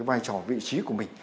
vai trò vị trí của mình